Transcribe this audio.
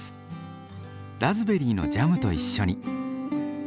ラズベリーのジャムと一緒に。